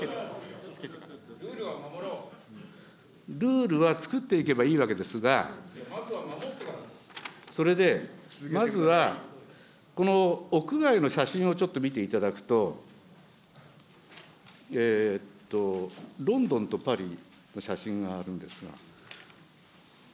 ルールは作っていけばいいわけですが、それでまずは、屋外の写真をちょっと見ていただくと、ロンドンとパリの写真があるんですが。